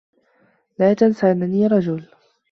لا تنس أنّني رجل.